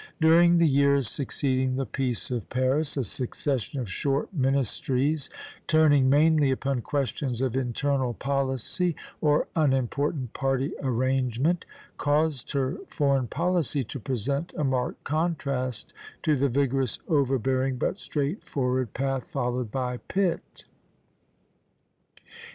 During the years succeeding the Peace of Paris a succession of short ministries, turning mainly upon questions of internal policy or unimportant party arrangement, caused her foreign policy to present a marked contrast to the vigorous, overbearing, but straightforward path followed by Pitt.